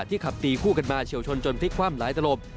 ขับตีคู่กันมาเฉียวชนจนพลิกคว่ำหลายตลบ